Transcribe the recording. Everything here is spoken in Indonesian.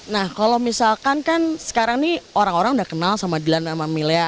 nah kalau misalkan kan sekarang nih orang orang udah kenal sama dilan sama milea